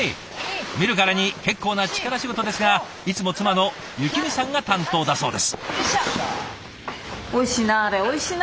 見るからに結構な力仕事ですがいつも妻の幸美さんが担当だそうです。